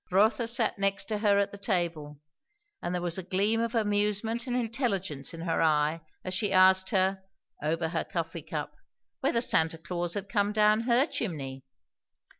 Rotha sat next her at the table; and there was a gleam of amusement and intelligence in her eye as she asked her, over her coffee cup, whether Santa Claus had come down her chimney?